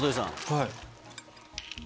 はい。